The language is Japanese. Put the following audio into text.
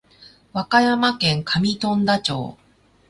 和歌山県上富田町